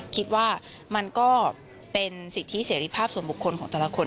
คิดว่ามันก็เป็นสิทธิเสรีภาพส่วนบุคคลของแต่ละคน